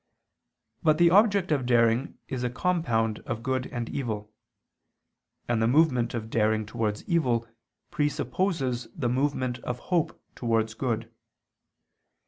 But the object of daring is a compound of good and evil; and the movement of daring towards evil presupposes the movement of hope towards good.